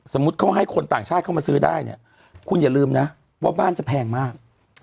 สมมุติเขาให้คนต่างชาติเข้ามาซื้อได้เนี่ยคุณอย่าลืมนะว่าบ้านจะแพงมาก